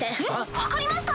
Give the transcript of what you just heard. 分かりました。